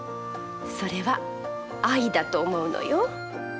それは愛だと思うのよ。